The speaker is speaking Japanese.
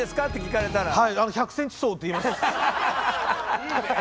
いいねえ！